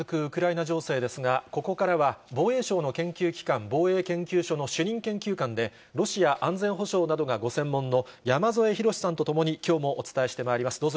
ウクライナ情勢ですが、ここからは、防衛省の研究機関、防衛研究所の主任研究官で、ロシア安全保障などがご専門の、山添博史さんと共に、きょうもお伝えしてまいります。